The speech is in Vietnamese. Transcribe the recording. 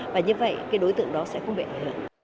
và như vậy cái đối tượng đó sẽ không bị ảnh hưởng